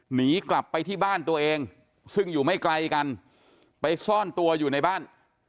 หนีกลับไปที่บ้านตัวเองซึ่งอยู่ไม่ไกลกันไปซ่อนตัวอยู่ในบ้าน